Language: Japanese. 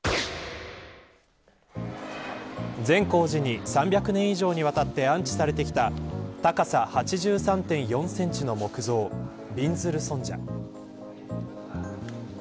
善光寺に３００年以上にわたって安置されてきた高さ８３．４センチの木像びんずる尊者。